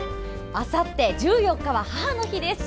あさって１４日は母の日です。